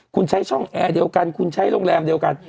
คุณใช้ช่องแอร์เดียวกันคุณใช้โรงแรมเดียวกัน